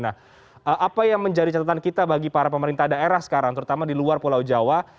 nah apa yang menjadi catatan kita bagi para pemerintah daerah sekarang terutama di luar pulau jawa